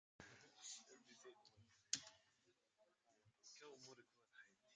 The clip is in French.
Le premier choix de la draft est LaToya Thomas.